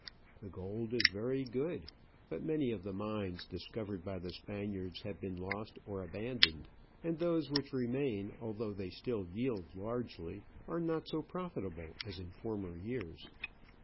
The gold is very good ; but many of the mines discovered by the Spaniards have been lost or abandoned, and those which remain, although they still yield largely, are not so profitable as in former years.